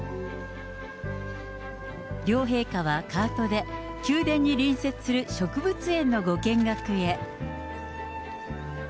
両陛下はカートで宮殿に隣接する植物園のご見学へ。